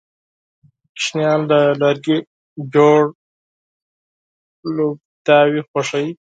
ماشومان له لرګي جوړ لوبتیاوې خوښوي.